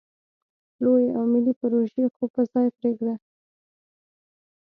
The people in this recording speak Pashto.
لویې او ملې پروژې خو په ځای پرېږده.